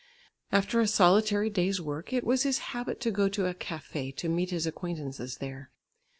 After a solitary day's work, it was his habit to go to a café to meet his acquaintances there.